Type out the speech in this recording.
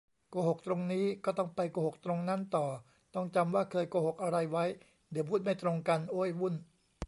โกหกตรงนี้ ก็ต้องไปโกหกตรงนั้นต่อ ต้องจำว่าเคยโกหกอะไรไว้ เดี๋ยวพูดไม่ตรงกัน โอ๊ย วุ่น